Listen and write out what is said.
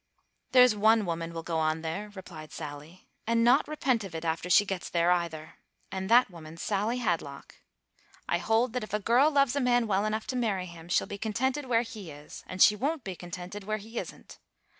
"There's one woman will go on there," replied Sally, "and not repent of it after she gets there either; and that woman's Sally Hadlock. I hold that if a girl loves a man well enough to marry him, she'll be contented where he is, and she won't be contented where he isn't.